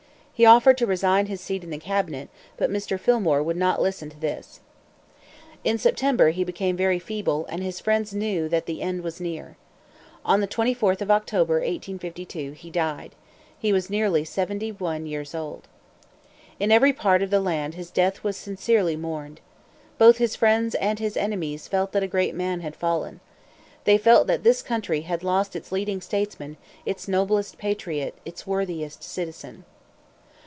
He offered to resign his seat in the cabinet, but Mr. Fillmore would not listen to this. In September he became very feeble, and his friends knew that the end was near. On the 24th of October, 1852, he died. He was nearly seventy one years old. In every part of the land his death was sincerely mourned. Both friends and enemies felt that a great man had fallen. They felt that this country had lost its leading statesman, its noblest patriot, its worthiest citizen.